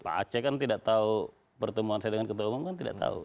pak aceh kan tidak tahu pertemuan saya dengan ketua umum kan tidak tahu